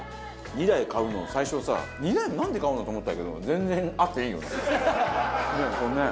２台買うの最初さ２台もなんで買うの？と思ったけど全然あっていいよね。